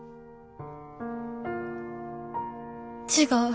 違う。